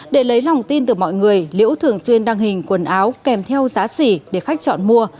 để lấy lòng tin từ mọi người liễu thường xuyên đăng hình quần áo kèm theo giá xỉ để khách chọn mua